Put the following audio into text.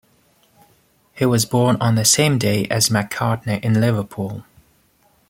He was born on the same day as McCartney in Liverpool.